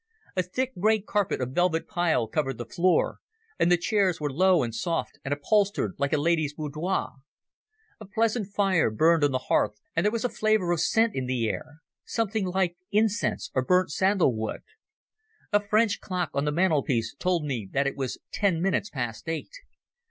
A thick grey carpet of velvet pile covered the floor, and the chairs were low and soft and upholstered like a lady's boudoir. A pleasant fire burned on the hearth and there was a flavour of scent in the air, something like incense or burnt sandalwood. A French clock on the mantelpiece told me that it was ten minutes past eight.